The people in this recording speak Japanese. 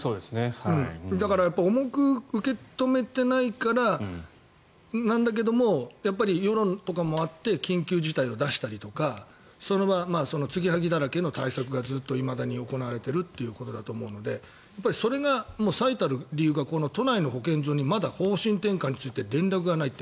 だから重く受け止めていないからなんだけれどもやっぱり世論とかもあって緊急事態を出したりとかそれはつぎはぎだらけの対策がずっといまだに行われているということだと思うのでその最たる理由がこの都内の保健所にまだ方針転換について連絡がないって。